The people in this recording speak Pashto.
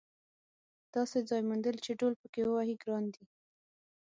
داسې ځای موندل چې ډهل پکې ووهې ګران دي.